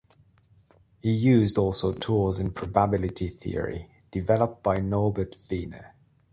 He used also tools in probability theory, developed by Norbert Wiener.